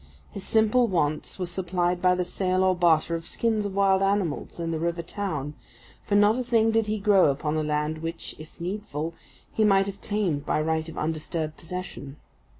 His simple wants were supplied by the sale or barter of skins of wild animals in the river town, for not a thing did he grow upon the land which, if needful, he might have claimed by right of undisturbed possession.